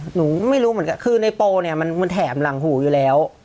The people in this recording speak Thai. หนูไม่รู้เหมือนกันคือในโปรเนี่ยมันแถมหลังหูอยู่แล้ว